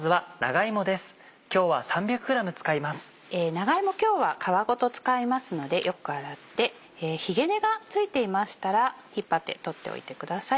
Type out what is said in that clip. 長芋今日は皮ごと使いますのでよく洗ってひげ根が付いていましたら引っ張って取っておいてください。